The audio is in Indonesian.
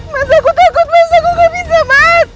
mas aku kaget mas aku gak bisa mas